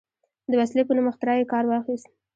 د وسلې په نوم اختراع یې کار واخیست.